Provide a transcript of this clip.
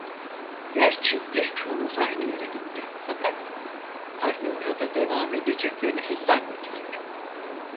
Gerçi birçoğumuz aynı yere gitti, fakat harbe orada devam edeceklerini hiç zannetmiyorum.